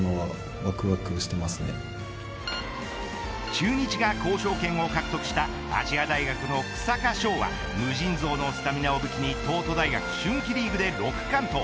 中日が交渉権を獲得した亜細亜大学の草加勝は無尽蔵のスタミナを武器に東都大学春季リーグで６完投。